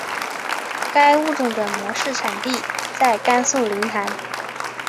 该物种的模式产地在甘肃临潭。